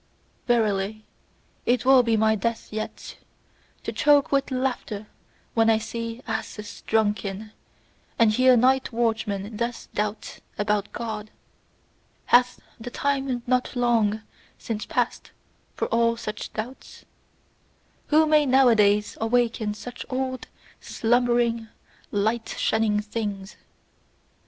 Verily, it will be my death yet to choke with laughter when I see asses drunken, and hear night watchmen thus doubt about God. Hath the time not LONG since passed for all such doubts? Who may nowadays awaken such old slumbering, light shunning things!